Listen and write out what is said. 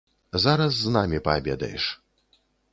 Зараз з намі паабедаеш.